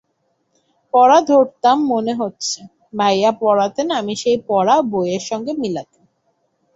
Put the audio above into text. পড়া ধরতাম মানে হচ্ছে—ভাইয়া পড়তেন আমি সেই পড়া বইয়ের সঙ্গে মিলাতাম।